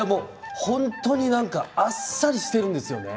本当にあっさりしているんですよね。